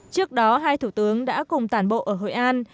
trước đó hai thủ tướng đã cùng tản bộ ở hội an